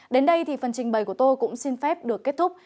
đến đây thì phần trình bày của tôi cũng xin phép được kết thúc